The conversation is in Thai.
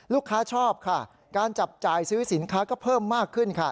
ชอบค่ะการจับจ่ายซื้อสินค้าก็เพิ่มมากขึ้นค่ะ